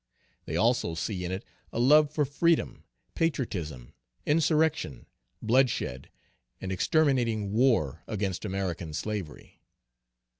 They also see in it a love for freedom, patriotism, insurrection, bloodshed, and exterminating war against American slavery.